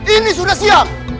ini sudah siang